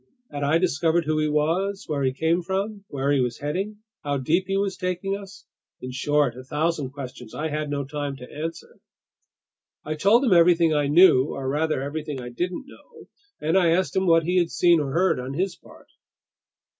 Had I discovered who he was, where he came from, where he was heading, how deep he was taking us? In short, a thousand questions I had no time to answer. I told him everything I knew—or, rather, everything I didn't know—and I asked him what he had seen or heard on his part.